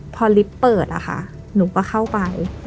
พอลิฟต์เปิดอะค่ะหนูก็เข้าไป